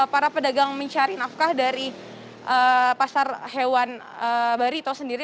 para pedagang mencari nafkah dari pasar hewan barito sendiri